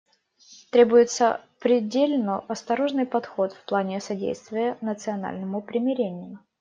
Требуется предельно осторожный подход в плане содействия национальному примирению.